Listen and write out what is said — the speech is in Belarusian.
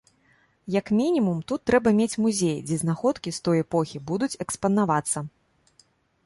Як мінімум тут трэба мець музей, дзе знаходкі з той эпохі будуць экспанавацца.